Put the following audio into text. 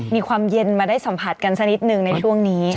มีความเย็นมาได้สัมผัสกันสักนิดนึงในช่วงนี้